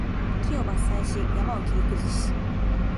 木を伐採し、山を切り崩し